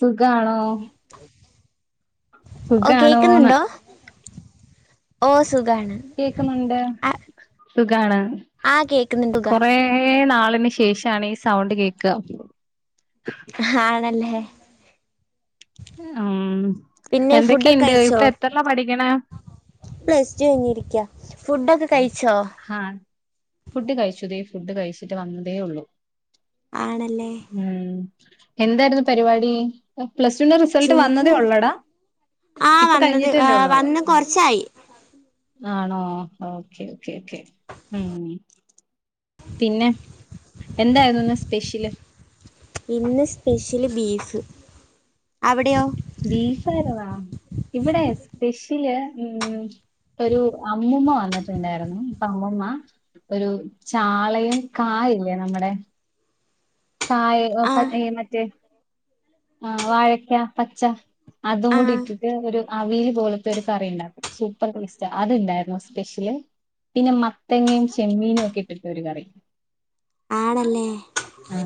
സുഖാണോ? ഓഹ് സുഖാണോന്ന് കേക്ക്ന്നുണ്ടോ? ഓഹ് സുഖാണ്. കേക്കുന്നുണ്ട് ആ- സുഖാണ് ആ കേക്കുന്നുണ്ട് സുഖ കൊറേ നാളിന് ശേ ഷാണ് ഈ സൗണ്ട് കേക്ക. ആണല്ലേ? ഉം പിന്നെ ഫുഡൊക്കെ എന്തൊക്കെയിണ്ട് കഴിച്ചോ ഇപ്പ എത്രലാ പഠിക്ക്ണെ? പ്ലസ് ടു കഴിഞ്ഞിരിക്ക ഫുഡൊക്കെ കഴിച്ചോ? ആഹീ ഫുഡ് കഴിച്ചു തേ ഫുഡ് കഴിച്ചിട്ട് വന്നതേ ഒള്ളൂ. ആണല്ലേ? ഉം എന്തായിരുന്നു പരിപാടി? പ്ലസ് ടുന്റെ റിസൾട്ട് ചുമ്മാ വന്നതേ ഇരി- ഒള്ളെടാ ആ ഇപ്പൊ വന്നത് ആ, കഴിഞ്ഞിട്ടല്ലേ ഒള്ളൂ? വന്ന് ആഹ് കുറച്ചായി ആണോ ഓക്കെ ഓക്കെ ഓക്കെ. ഉം പിന്നെ എന്തായിരുന്നു ഇന്ന് സ്പെഷ്യല്? ഇന്ന് സ്പെഷ്യല് ബീഫ്. അവിടെയോ? ബീഫായിരുന്നൊ? ഇവിടെ സ്പെഷ്യല് ഉം ഒരു അമ്മൂമ വന്നിട്ടുണ്ടായിരുന്നു ഇപ്പൊ അമ്മൂമ്മ ഒരു ചാളയും കാ ഇല്ലേ നമ്മുടെ? കായ ആ മറ്റേ ആഹ് വാഴക്ക പച്ച. അതും ആ കൂടി ഇട്ടിട്ട് ഒരു അവിയൽ പോലത്തെ ഒരു കറി ഇണ്ടാക്കും. സൂപ്പർ ടേസ്റ്റാ അത്ണ്ടായിരുന്നു സ്പെഷ്യല്. പിന്നെ മത്തങ്ങയും ചെമ്മീനും ഒക്കെ ഇട്ടിട്ട് ഒരു കറി. ആണല്ലേ ആ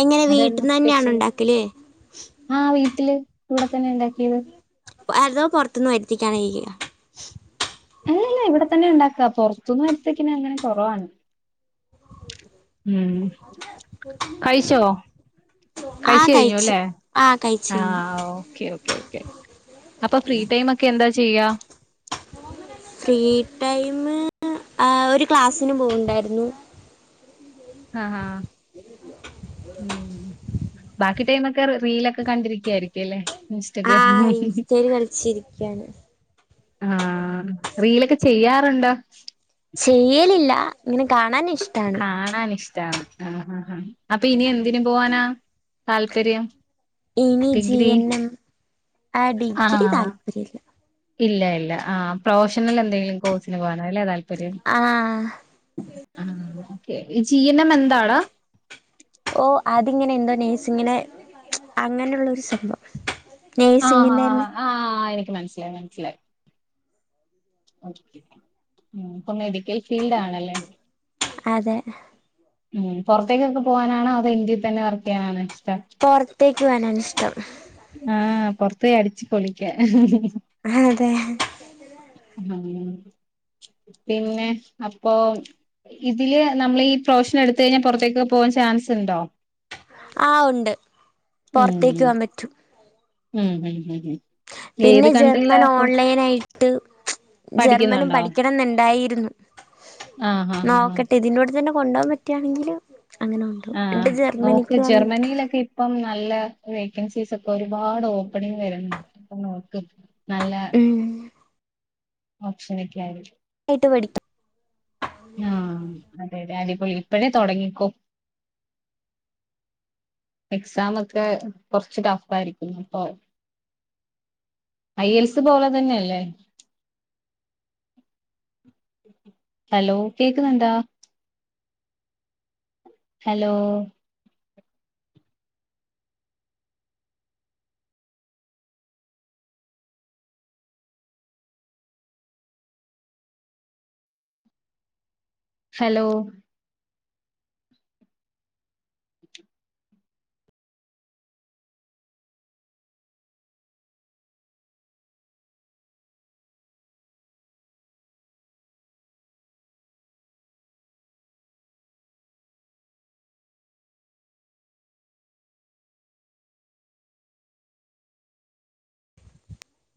എങ്ങനെ വീട്ട്ന്നെന്നെ ആണോ ഇണ്ടാക്കല്? ആഹ് വീട്ടില് ഇവിടെ തന്നെ ഇണ്ടാക്കിയത്. അതോ പൊറത്തുന്ന് വരുത്തിക്കാൻ വൈകിയോ അല്ലല്ല ഇവിടെ തന്നെ ഇണ്ടാക്കാ പൊറത്തുന്ന് വരുത്തിക്ക്ണെ അങ്ങനെ കൊറവാണ്. ഉം കഴിച്ചോ? ആ കഴിച്ച് കഴിഞ്ഞു കഴിച്ചു ല്ലേ? ആ കഴിച്ചു ആഹ് ഓഹ് ഓക്കെ ഓക്കെ ഓക്കെ അപ്പൊ ഫ്രീ ടൈമൊക്കെ എന്താ ചെയ്യാ? ഫ്രീ ടൈമ് ആഹ് ഒരു ക്ലാസിന് പോവ്ണ്ടായിരുന്നു. ആഹ് ആഹ് ഉം ബാക്കി ടൈമൊക്കെ റീ റീലൊക്കെ കണ്ടിരിക്കായിരിക്കല്ലേ? ആഹ് ഇൻസ്റ്റേല് കളിച്ചിരിക്ക്യാണ് ആഹ് റീലൊക്കെ ചെയ്യാറുണ്ടോ ചെയ്യലില്ല ഇങ്ങനെ കാണാൻ ഇഷ്ടാണ് കാണാൻ ഇഷ്ടാണ് ആഹ് ആഹ് ആഹ് അപ്പ ഇനി എന്തിന് പോവാനാ താല്പര്യം ഡിഗ്രി ആഹ് ഡിഗ്രി ആഹ് താല്പര്യല്ല ഇല്ല ഇല്ല ആഹ് പ്രൊഫഷണൽ എന്തെങ്കിലും കോഴ്സിന് പോകാന അല്ലേ താല്പര്യം ആഹ് ആഹ് ഓക്കേ ഈ ജീ എൻ എം എന്താടാ ഓഹ് അതിങ്ങനെ എന്തോ നഴ്സിങ്ങനെ അങ്ങനെ ള്ളൊരു സംഭവം ആഹ് നെയ്സിങ്ങിന്റെന്നെ ആഹ് ആഹ് എനിക്ക് മനസ്സിലായി മനസ്സിലായി ഓക്കേ ഉം ഇപ്പൊ മെഡിക്കൽ ഫീൽഡ് ആണല്ലേ അതെ ഉം പൊറത്തേക്കൊക്കെ പോകാനാണോ അതോ ഇന്ത്യയിൽ തന്നെ വർക്ക് ചെയ്യാനാണോ ഇഷ്‌ടം പൊർത്തേക്ക് പോവാനാണിഷ്ടം ആഹ് പൊറത്ത് പോയി അടിച്ചുപൊളിക്കാ ആഹ് അതെ ഏഹ് പിന്നെ അപ്പൊ ഇതില് നമ്മളീ പ്രൊഫഷൻ എടുത്ത് കഴിഞ്ഞാൽ പൊറത്തേക്കൊക്കെ പോവാൻ ചാൻസ് ഉണ്ടോ ആഹ് ഉണ്ട് ഉം പുറത്തേക്ക് ഉം പോകാൻ പറ്റും ഉം ഉം ഉം ഉം ഏത് പിന്നെ കൺട്രിയിലാ ജർമ്മൻ ഇപ്പൊ ഓൺലൈനായിട്ട് ജർമ്മനും പഠിക്കുന്നുണ്ടോ പഠിക്കണെന്നുണ്ടായിരുന്നു ആഹ് ആഹ് ആഹ് ആഹ് നോക്കട്ടെ ഇതിന്റെ കൂടെ തന്നെ കൊണ്ടു പോവാൻ പറ്റാണെങ്കില് ആഹ് നോക്ക് ജർമ്മനിയിലൊക്കെ ഇ പ്പം നല്ല വേക്കൻസീസ് ഒക്കെ ഒരുപാട് ഓപ്പണിങ് വരുന്നു നോക്ക് നല്ല ഏഹ് ഓപ്ഷനൊക്കെ ആയിരി ആയിട്ട് പഠിക്കും ആഹ് അതെ അതെ അടിപൊളി ഇപ്പഴേ തൊടങ്ങിക്കോ എക്സാം ഒക്കെ കൊറച്ച് ട്ടഫ് ആയിരിക്കും അപ്പൊ ഐ എൽസ് പോലെ തന്നെയല്ലേ ഹലോ കേക്കുന്നുണ്ടോ ഹലോ ഹലോ